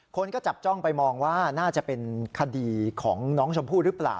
คนก็จับจ้องไปมองว่าน่าจะเป็นคดีของน้องชมพู่หรือเปล่า